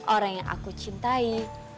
orang yang aku cintai